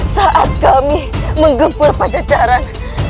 saat kami menggempur pecah jalan